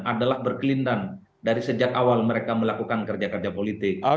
adalah berkelindang dari sejak awal mereka melakukan kerja kerja politik